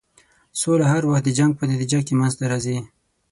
سوله هر وخت د جنګ په نتیجه کې منځته راځي.